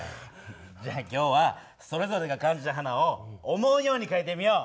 じゃ今日はそれぞれが感じた花を思うようにかいてみよう。